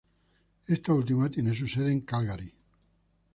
Esta última tiene su sede en Calgary.